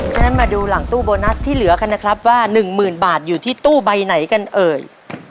ฉะนั้นมาดูหลังตู้โบนัสที่เหลือกันนะครับว่า๑๐๐๐บาทอยู่ที่ตู้ใบไหนกันเอ่ย